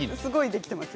できています。